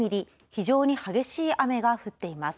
非常に激しい雨が降っています。